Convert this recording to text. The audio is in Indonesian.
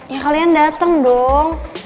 ya kalian dateng dong